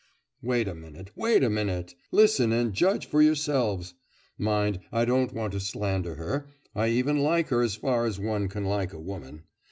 'Wait a minute, wait a minute! Listen and judge for yourselves. Mind, I don't want to slander her, I even like her as far as one can like a woman.